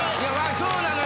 そうなのよ。